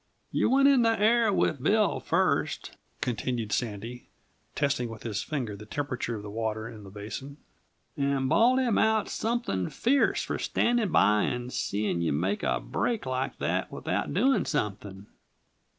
"You went in the air with Bill, first," continued Sandy, testing with his finger the temperature of the water in the basin, "and bawled him out something fierce for standing by and seeing you make a break like that without doing something.